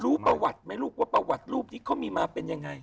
รู้ประวัติไหมลูกว่าประวัติรูปนี้เขามีมาเป็นยังไง